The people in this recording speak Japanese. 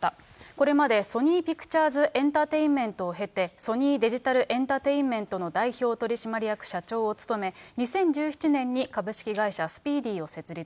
これまでソニーピクチャーズエンタテインメントを経て、ソニー・デジタルエンタテインメントの代表取締役社長を務め、２０１７年に株式会社スピーディを設立。